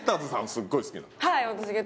すっごい好きなんだは